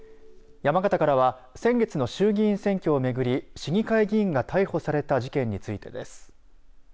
山形からは先月の衆議院選挙をめぐり市議会議員が逮捕された事件についてです。